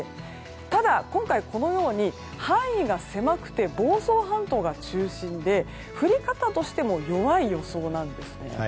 ただ、今回このように範囲が狭くて房総半島が中心で降り方としても弱い予想なんです。